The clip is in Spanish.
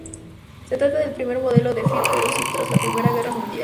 Se trata del primer modelo de Fiat producido tras la I Guerra Mundial.